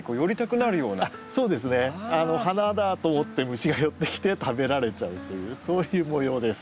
花だと思って虫が寄ってきて食べられちゃうというそういう模様です。